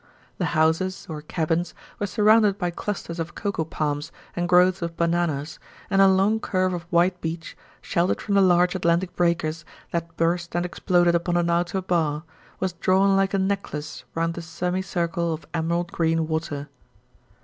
The houses, or cabins, were surrounded by clusters of coco palms and growths of bananas, and a long curve of white beach, sheltered from the large Atlantic breakers that burst and exploded upon an outer bar, was drawn like a necklace around the semicircle of emerald green water.